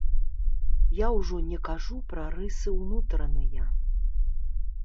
Я ўжо не кажу пра рысы ўнутраныя.